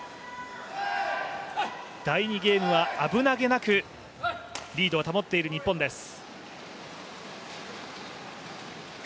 第２ゲームは危なげなくリードを保っている日本です。